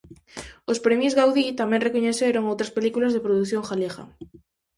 Os Premis Gaudí tamén recoñeceron outras películas de produción galega.